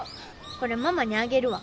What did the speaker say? これママにあげるわ。